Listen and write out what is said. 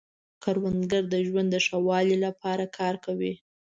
کروندګر د ژوند د ښه والي لپاره کار کوي